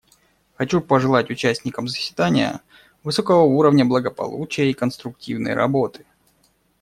Хочу пожелать участникам заседания высокого уровня благополучия и конструктивной работы.